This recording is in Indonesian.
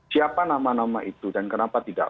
siapa nama nama itu dan kenapa tidak